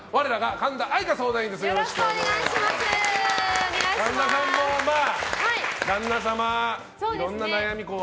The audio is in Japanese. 神田さんも旦那様、いろんな悩みが。